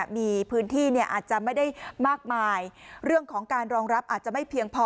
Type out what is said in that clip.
มีพื้นที่เนี่ยอาจจะไม่ได้มากมายเรื่องของการรองรับอาจจะไม่เพียงพอ